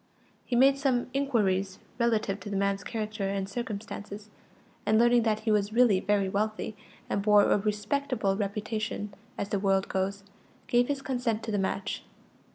He made some inquiries relative to the man's character and circumstances, and learning that he was really very wealthy, and bore a respectable reputation, as the world goes, gave his consent to the match.